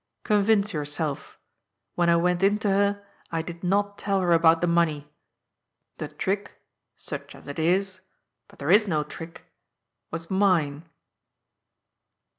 Convince yourself. When I went in to her, I did not tell her about the money. The trick, such as it is ^— but there is no trick — was mine."